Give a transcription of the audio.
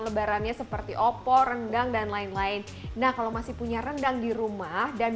lebarannya seperti opo rendang dan lain lain nah kalau masih punya rendang di rumah dan